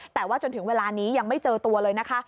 แต่ว่าจนถึงเวลานี้ยังไม่เจอตัวเลยนะคะ